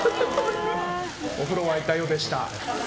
お風呂、沸いたよでした。